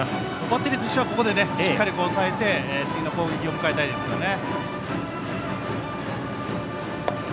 バッテリーは、ここでしっかり抑えて次の攻撃を迎えたいですね。